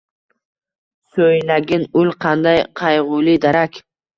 So’ylagin, ul qanday qayg’uli darak